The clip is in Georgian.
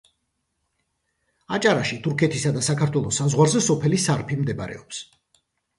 აჭარაში, თურქეთისა და საქართველოს საზღვარზე, სოფელი სარფი მდებარეობს.